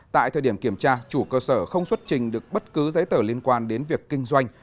tại thời điểm kiểm tra chủ cơ sở không xuất trình được bất cứ giấy tờ liên quan đến việc kinh doanh